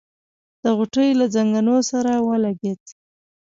د غوټۍ له ځنګنو سره ولګېد.